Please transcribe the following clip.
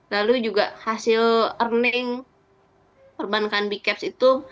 lalu juga hasil earning perbankan bkeps itu